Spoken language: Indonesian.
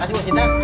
makasih bos idan